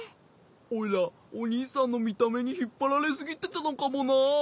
オイラおにいさんのみためにひっぱられすぎてたのかもな。